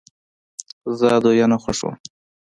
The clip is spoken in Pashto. زه ادویه نه خوښوم.